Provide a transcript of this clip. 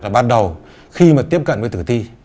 bắt đầu khi mà tiếp cận với tử thi